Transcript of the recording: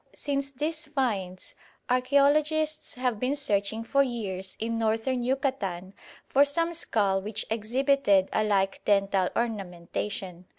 Since these finds, archæologists have been searching for years in Northern Yucatan for some skull which exhibited a like dental ornamentation.